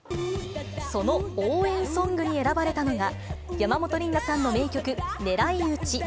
その応援ソングに選ばれたのが、山本リンダさんの名曲、狙いうち。